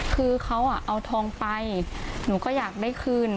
คือเขาเอาทองไปหนูก็อยากได้คืน